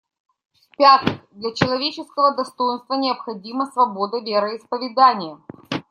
В-пятых, для человеческого достоинства необходима свобода вероисповедания.